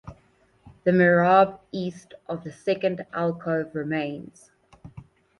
The mihrab east of the second alcove remains.